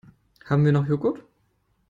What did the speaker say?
Haben wir noch Joghurt?